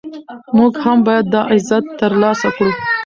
موږ هم باید دا عزت ترلاسه کړو.